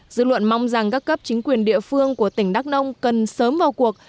dự luận mong rằng các cấp chính quyền địa phương của tỉnh đắc nông cần sớm vào cuộc